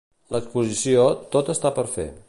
L'exposició Tot està per fer.